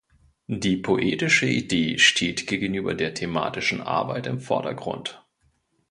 Die poetische Idee steht gegenüber der thematischen Arbeit im Vordergrund.